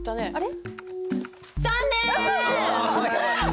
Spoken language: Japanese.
あれ？